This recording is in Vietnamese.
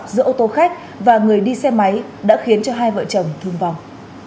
giữa ô tô khách và người đi xe máy đã khiến cho hai vợ chồng thương vong